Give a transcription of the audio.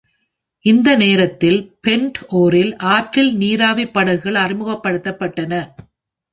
இந்த நேரத்தில், பெண்ட் ஓரில் ஆற்றில் நீராவி படகுகள் அறிமுகப்படுத்தப்பட்டன.